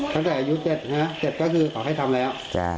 ตั้งแต่อายุ๗๗ก็คือเขาให้ทำแล้ว